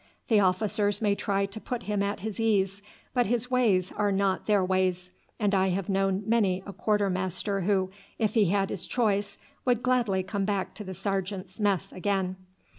The officers may try to put him at his ease, but his ways are not their ways; and I have known many a quarter master who, if he had his choice, would gladly come back to the sergeant's mess again."